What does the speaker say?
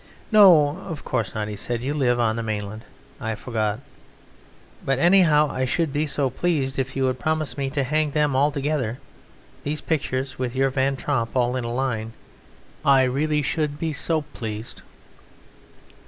"No, of course not," he said; "you live on the mainland; I forgot. But anyhow, I should be so pleased if you would promise me to hang them all together, these pictures with your Van Tromp, all in a line! I really should be so pleased!"